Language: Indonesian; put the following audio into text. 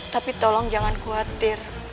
tapi tolong jangan khawatir